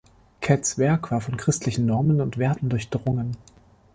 Cats' Werk war von christlichen Normen und Werten durchdrungen.